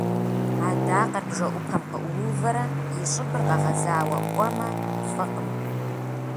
Адакъэр бжэӏупэм къыӏуувэрэ и щӏыбыр къэгъэзауэ ӏуэмэ, фӏыкъым.